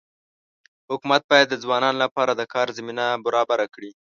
حکومت باید د ځوانانو لپاره د کار زمینه برابره کړي.